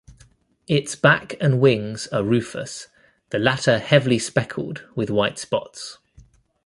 Its back and wings are rufous, the latter heavily speckled with white spots.